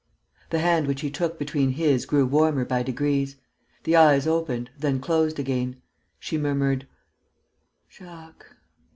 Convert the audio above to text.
The hand which he took between his grew warmer by degrees. The eyes opened, then closed again. She murmured: "Jacques...."